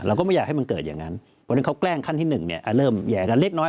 ก็ไม่อยากให้มันเกิดอย่างนั้นเพราะฉะนั้นเขาแกล้งขั้นที่๑เนี่ยเริ่มแห่กันเล็กน้อย